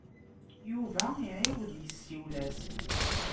Yuba iɛiwed yessiwel-as.